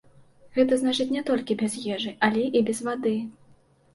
Гэта значыць, не толькі без ежы, але і без вады.